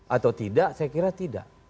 atau tidak saya kira tidak